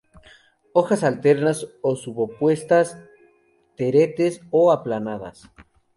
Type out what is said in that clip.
Hojas alternas o subopuestas, teretes o aplanadas.